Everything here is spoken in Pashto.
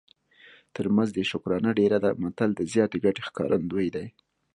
تر مزد یې شکرانه ډېره ده متل د زیاتې ګټې ښکارندوی دی